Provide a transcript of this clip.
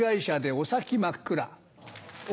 お。